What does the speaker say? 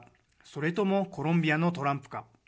それともコロンビアのトランプか。